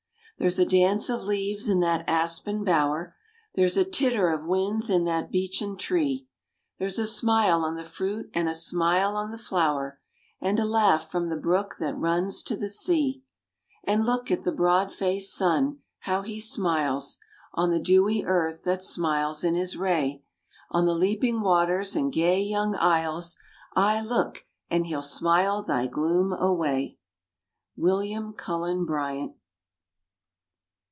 There's a dance of leaves in that aspen bower; There's a titter of winds in that beechen tree; There's a smile on the fruit, and a smile on the flower, And a laugh from the brook that runs to the sea. And look at the broad faced sun, how he smiles On the dewy earth that smiles in his ray; On the leaping waters and gay young isles Ay, look, and he'll smile thy gloom away! William Cullen Bryant.